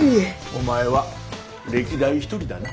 お前は歴代１人だな。